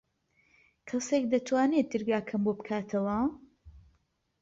کەسێک دەتوانێت دەرگاکەم بۆ بکاتەوە؟